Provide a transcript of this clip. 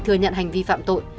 thừa nhận hành vi phạm tội